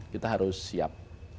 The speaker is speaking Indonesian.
kita harus siap